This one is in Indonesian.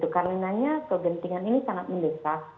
karena nanya kegentingan ini sangat mendesak